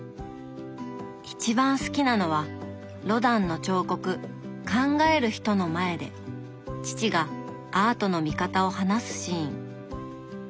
一番好きなのはロダンの彫刻「考える人」の前で父がアートの見方を話すシーン。